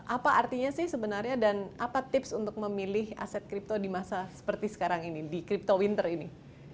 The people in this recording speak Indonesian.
apa artinya sih sebenarnya dan apa tips untuk memilih aset kripto di masa seperti sekarang ini di crypto winter ini